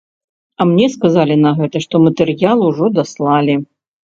А мне сказалі на гэта, што матэрыял ужо даслалі.